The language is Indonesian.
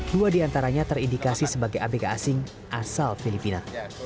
dua diantaranya terindikasi sebagai abk asing asal filipina